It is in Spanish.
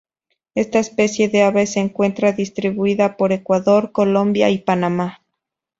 Esta especie de ave se encuentra distribuida por Ecuador, Colombia y Panamá.